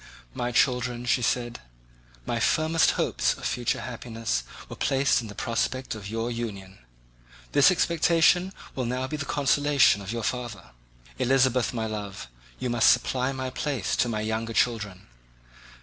"My children," she said, "my firmest hopes of future happiness were placed on the prospect of your union. This expectation will now be the consolation of your father. Elizabeth, my love, you must supply my place to my younger children.